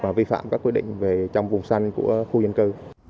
và vi phạm các quy định về trong vùng săn của khu dân cư